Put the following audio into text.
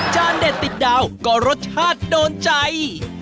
เด็ดติดดาวก็รสชาติโดนใจ